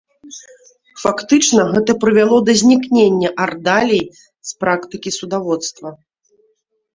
Фактычна гэта прывяло да знікнення ардалій з практыкі судаводства.